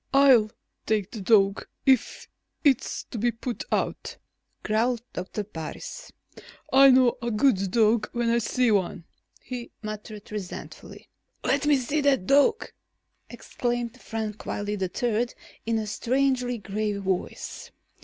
"I'll take the dog, if it's to be put out," growled Doctor Parris. "I know a good dog when I see one," he muttered resentfully. "Let me see that dog!" exclaimed Frank Wiley III in a strangely grave voice.